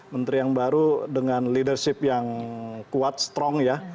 menteri yang baru dengan leadership yang kuat strong ya